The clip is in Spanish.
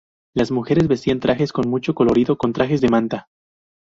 Las mujeres vestían trajes con mucho colorido, con trajes de manta.